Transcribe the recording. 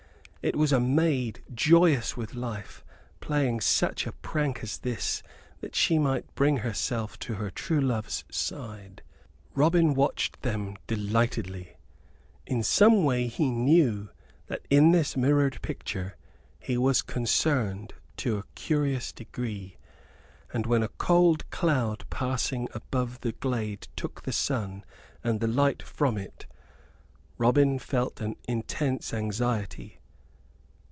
It was a maid, joyous with life, playing such a prank as this that she might bring herself to her true love's side. Robin watched them delightedly. In some way he knew that in this mirrored picture he was concerned to a curious degree; and when a cold cloud passing above the glade took the sun and the light from it Robin felt an intense anxiety.